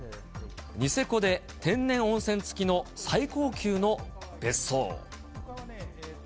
ニセコで天然温泉付きの最高級の別荘。